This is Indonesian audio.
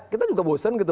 kita juga bosen gitu